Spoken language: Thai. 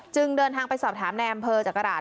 จึงเดินทางไปสอบถามนายอำเภอจากกระหลาด